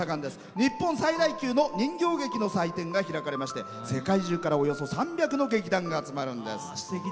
日本最大級の人形劇の祭典が開かれまして世界中からおよそ３００の劇団が集まるんです。